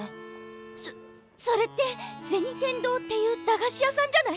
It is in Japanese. そそれって銭天堂っていう駄菓子屋さんじゃない？